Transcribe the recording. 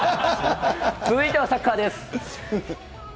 続いてはサッカーです。